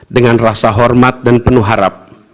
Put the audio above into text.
dengan rasa hormat dan penuh harap